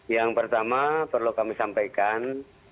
yang pertama perlu kami sampaikan